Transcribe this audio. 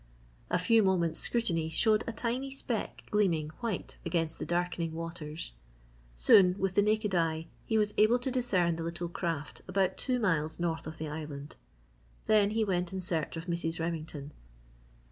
A few moments' scrutiny showed a tiny speck gleaming white against the darkening waters. Soon, with the naked eye, he was able to discern the little craft about two miles north of the island. Then he went in search of Mrs. Remington.